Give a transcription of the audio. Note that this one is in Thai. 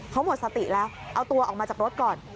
เขาหมดสติแล้วเอาตัวออกมาจากรถก่อน